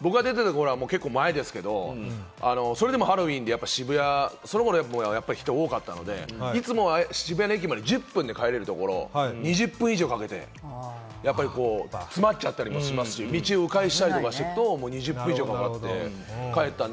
僕が出てたのは結構前ですけれども、それでもハロウィーンって渋谷は人多かったので、いつも渋谷の駅まで１０分で帰れるところが２０分以上かけて、やっぱり詰まっちゃったりもしますし、道を迂回したりすると、２０分以上かかったんで。